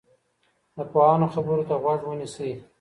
د پوهانو خبرو ته غوږ ونیسئ.